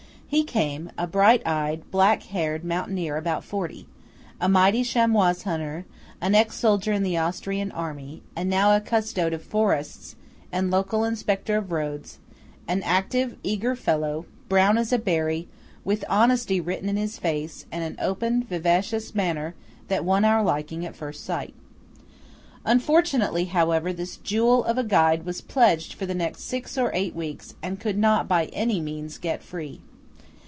He came:–a bright eyed, black haired mountaineer about forty; a mighty chamois hunter; an ex soldier in the Austrian army, and now a custode of forests, and local inspector of roads; an active, eager fellow, brown as a berry, with honesty written in his face, and an open vivacious manner that won our liking at first sight. Unfortunately, however, this jewel of a guide was pledged for the next six or eight weeks and could not by any means get free.